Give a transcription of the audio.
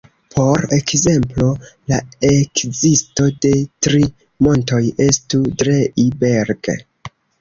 Por ekzemplo, la ekzisto de tri montoj estus Drei-Berg-.